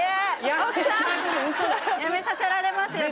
やめさせられますよ